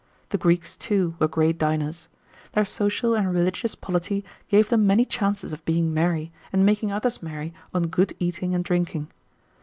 The Greeks, too, were great diners: their social and religious polity gave them many chances of being merry and making others merry on good eating and drinking.